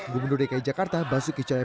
gubernur dki jakarta basuki cahaya